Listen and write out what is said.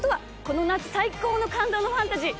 この夏最高の感動のファンタジー。